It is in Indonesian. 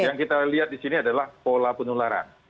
yang kita lihat di sini adalah pola penularan